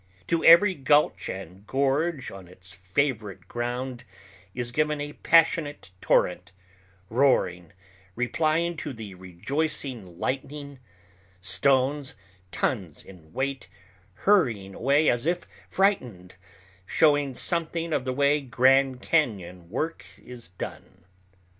To every gulch and gorge on its favorite ground is given a passionate torrent, roaring, replying to the rejoicing lightning—stones, tons in weight, hurrying away as if frightened, showing something of the way Grand Cañon work is done.